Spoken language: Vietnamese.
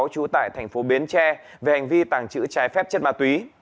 trú tại thành phố bến tre về hành vi tàng trữ trái phép chất ma túy